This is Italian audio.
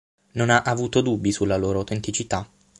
Non ha avuto dubbi sulla loro autenticità?